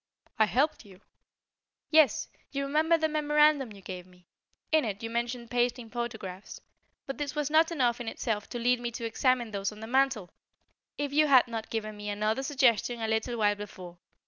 "I helped you?" "Yes. You remember the memorandum you gave me? In it you mentioned pasting photographs. But this was not enough in itself to lead me to examine those on the mantel, if you had not given me another suggestion a little while before.